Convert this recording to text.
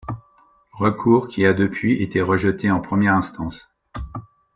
Recours qui a depuis été rejeté en première instance.